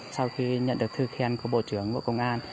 sau khi nhận được thư khen của bộ trưởng bộ công an